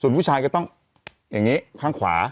ผู้ชายก็ต้องอย่างนี้ข้างขวา